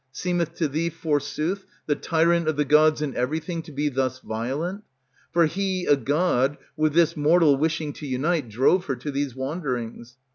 Seemeth to thee, forsooth, The tyrant of the gods in everything to be Thus violent? For he a god, with this mortal Wishing to unite, drove her to these wanderings.